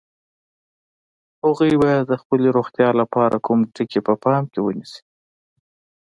هغوی باید د خپلې روغتیا لپاره کوم ټکي په پام کې ونیسي؟